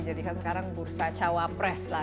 jadi kan sekarang bursa cawapres lah